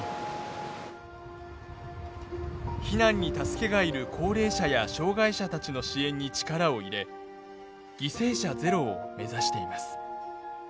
避難に助けが要る高齢者や障害者たちの支援に力を入れ犠牲者ゼロを目指しています。